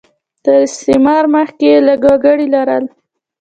تر استعمار مخکې یې لږ وګړي لرل.